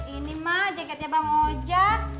ini mah jaketnya bang ojek